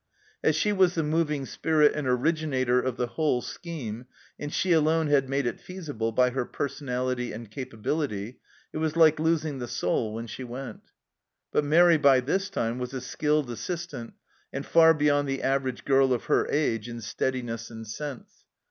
As she was the moving spirit and originator of the whole scheme, and she alone had made it feasible by her personality and capability, it was like losing the soul when she went. But Mairi by this time was a skilled assistant, and far beyond the average girl of her age in steadiness and sense.